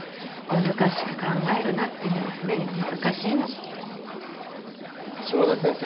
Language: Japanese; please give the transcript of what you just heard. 「難しく考えるな」っていうのがすでに難しいの下田先生